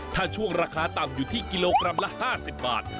ถ้าช่วงราคาต่ำอยู่ที่กิโลกรัมละ๕๐บาท